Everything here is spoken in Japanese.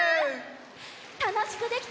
たのしくできた